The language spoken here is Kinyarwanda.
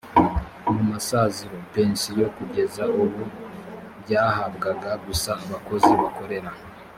mu masaziro pensiyo kugeza ubu byahabwaga gusa abakozi bakorera